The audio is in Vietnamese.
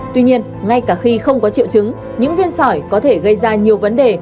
tuy nhiên ngay cả khi không có triệu chứng những viên sỏi có thể gây ra nhiều vấn đề